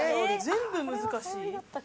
全部難しい。